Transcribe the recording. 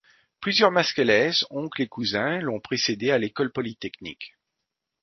Plusieurs Masquelez, oncles et cousins, l'ont précédé à l'École polytechnique.